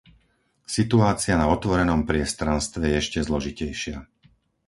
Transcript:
Situácia na otvorenom priestranstve je ešte zložitejšia.